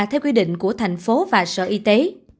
theo quy định của thành phố và sở y tế